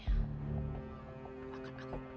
apakah aku mencintai